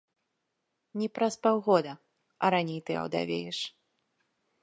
Не праз паўгода, а раней ты аўдавееш.